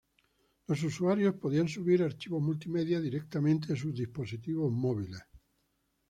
Los usuarios podían subir archivos multimedia directamente de sus dispositivos móviles.